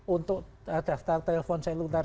untuk daftar telpon selunar